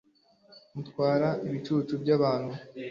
mubatwara ibicucu byabantu